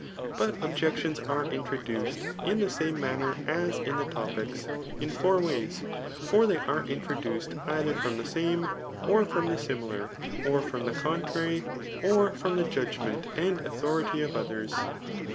But objections are mtroduced, in the same manner as in the Topics, in four ways ; for they are introduced, ettber from the same^ or firom the similar^ or from the 198 TJHB A«T 6V AQOK II. contrary^ or from the judgment and auffiori^ qf oAcrs.